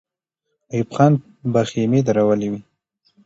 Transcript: ایوب خان به خېمې درولې وې.